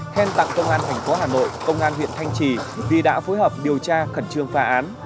khen tặng công an tp hà nội công an huyện thanh trì vì đã phối hợp điều tra khẩn trương phá án